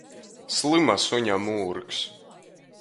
Slyma suņa mūrgs!